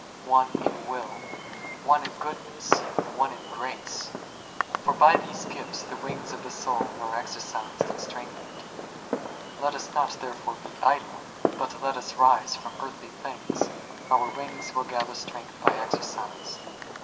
one in will, one in goodness, one in grace ; for by these gifts the wings of the soul are exercised and strengthened* Let us not therefore be idle, but let us rise from earthly things; our wings will gather strength by exercise.